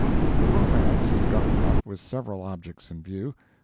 The romance is gotten up with several objects in view.